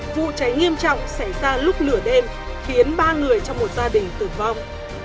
vụ cháy nghiêm trọng xảy ra lúc nửa đêm khiến ba người trong một gia đình tử vong